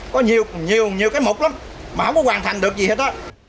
có nhiều nhiều nhiều nhiều cái mục lắm mà không có hoàn thành được gì hết đó